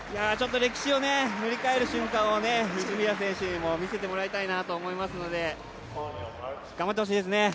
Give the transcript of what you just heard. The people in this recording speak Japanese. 歴史を塗り替える瞬間を泉谷選手にも見せてもらいたいなと思いますので、頑張ってほしいですね。